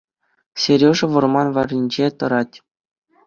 Сережа вӑрман варринче тӑрать.